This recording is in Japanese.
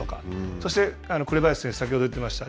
そして紅林選手、先ほど言っていました。